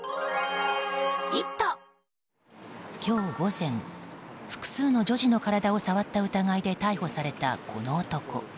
今日午前複数の女児の体を触った疑いで逮捕された、この男。